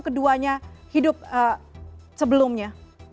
keduanya hidup sebelumnya